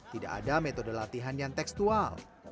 tidak ada metode latihan yang tekstual